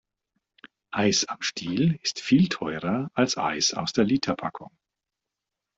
Eis am Stiel ist viel teurer als Eis aus der Literpackung.